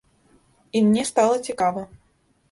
І мне стала цікава.